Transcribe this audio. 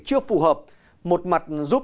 chưa phù hợp một mặt giúp